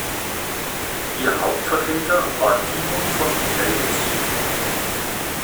Ihr Hauptvertreter war Timon von Phleius.